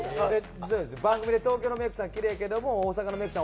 番組で東京のメイクさんはきれいやけど大阪のメイクさん